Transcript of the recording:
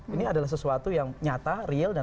ini adalah sesuatu yang nyata real dan